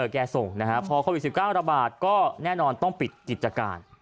แกส่งนะฮะพอโควิด๑๙ระบาดก็แน่นอนต้องปิดกิจการ